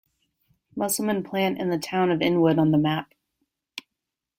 Musselman plant and the town of Inwood on the map.